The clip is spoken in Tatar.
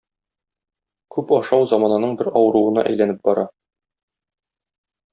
Күп ашау замананың бер авыруына әйләнеп бара.